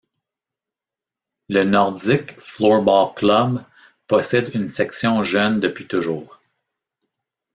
Le Nordiques Floorball Club possède une section jeune depuis toujours.